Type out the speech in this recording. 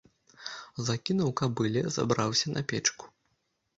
Закінуў кабыле, забраўся на печку.